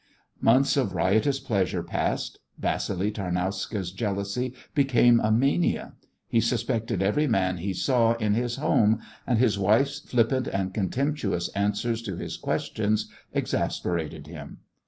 Months of riotous pleasure passed. Vassili Tarnowska's jealousy became a mania. He suspected every man he saw in his home, and his wife's flippant and contemptuous answers to his questions exasperated him.